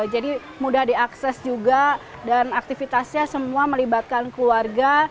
jadi mudah diakses juga dan aktivitasnya semua melibatkan keluarga